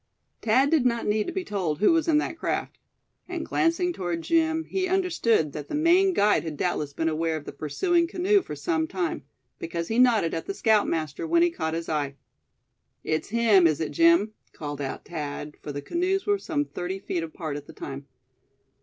Thad did not need to be told who was in that craft. And glancing toward Jim, he understood that the Maine guide had doubtless been aware of the pursuing canoe for some time; because he nodded at the scoutmaster when he caught his eye. "It's him, is it, Jim?" called out Thad; for the canoes were some thirty feet apart at the time.